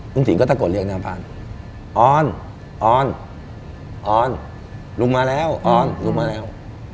ลุงสิงห์ก็ตะโกนเรียกหน้าบ้านออนลุงมาแล้วออนลุงมาแล้ว